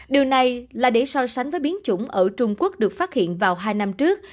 điều này là để so sánh với biến chủng ở trung quốc được phát hiện vào hai năm trước